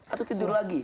atau tidur lagi